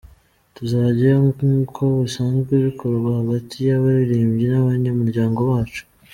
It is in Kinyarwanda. Tuzajyayo nkuko bisanzwe bikorwa hagati y’abaririmbyi n’abanyamuryango bacu.